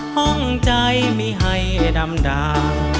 ห้องใจมีให้ดำดา